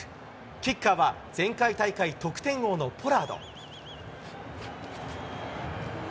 キッカーは前回大会得点王のポラード。